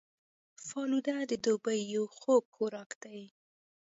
فالوده د دوبي یو خوږ خوراک دی